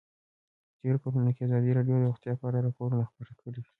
په تېرو کلونو کې ازادي راډیو د روغتیا په اړه راپورونه خپاره کړي دي.